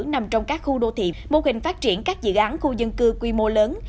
nằm trong các khu đô thị mô hình phát triển các dự án khu dân cư quy mô lớn